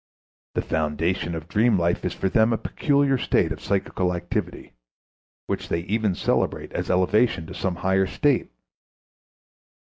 The foundation of dream life is for them a peculiar state of psychical activity, which they even celebrate as elevation to some higher state.